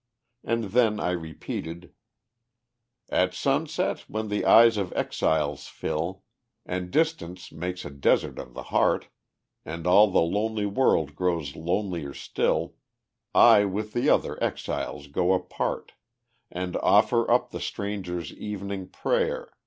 And then I repeated: _"At sunset, when the eyes of exiles fill, And distance makes a desert of the heart, And all the lonely world grows lonelier still, I with the other exiles go apart, And offer up the stranger's evening prayer.